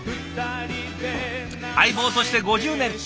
相棒として５０年。